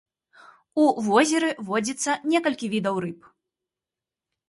У возеры водзіцца некалькі відаў рыб.